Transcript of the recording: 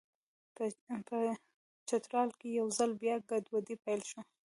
په چترال کې یو ځل بیا ګډوډي پیل شوه.